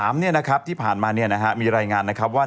เมื่อวันที่๑๓ที่ผ่านมามีรายงานว่า